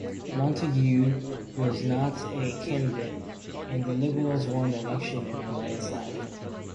Montague was not a candidate, and the Liberals won the election in a landslide.